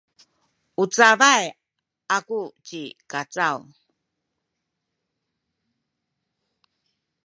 u cabay aku ci Kacaw.